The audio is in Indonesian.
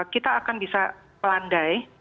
kita akan bisa landai